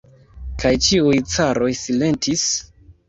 Kaj ĉiuj caroj silentis.